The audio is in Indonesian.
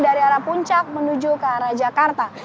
dari arah puncak menuju ke arah jakarta